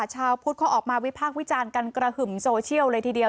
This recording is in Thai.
ชาวพุทธเขาออกมาวิพากษ์วิจารณ์กันกระหึ่มโซเชียลเลยทีเดียว